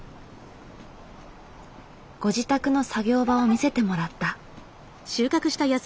ご自宅の作業場を見せてもらった。